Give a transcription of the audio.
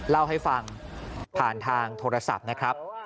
เล่าให้ฟังผ่านทางโทรศัพท์นะครับ